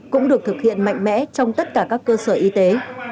cũng được thực hiện mạnh mẽ trong tất cả các cơ sở y tế